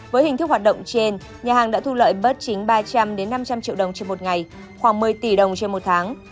với hình thức hoạt động trên nhà hàng đã thu lợi bất chính ba trăm linh năm trăm linh triệu đồng trên một ngày khoảng một mươi tỷ đồng trên một tháng